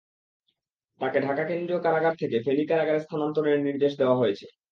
তাঁকে ঢাকা কেন্দ্রীয় কারাগার থেকে ফেনী কারাগারে স্থানান্তরের নির্দেশ দেওয়া হয়েছে।